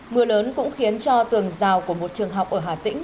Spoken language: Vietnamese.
mưa lớn cũng khiến cho tường rào của một trường học ở hà tĩnh